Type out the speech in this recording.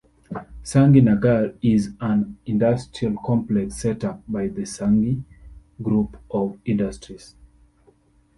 Sanghi Nagar is an industrial complex set up by the Sanghi Group of Industries.